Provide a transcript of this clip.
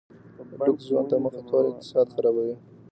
لوکس ژوند ته مخه کول اقتصاد خرابوي.